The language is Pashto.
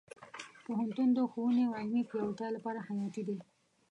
پوهنتون د ښوونې او علمي پیاوړتیا لپاره حیاتي دی.